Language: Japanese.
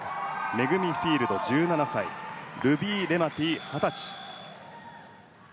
メグミ・フィールド、１７歳ルビー・レマティ、二十歳。